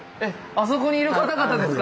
あそこにいる方々ですか？